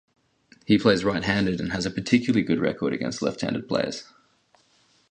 He plays right-handed and has a particularly good record against left-handed players.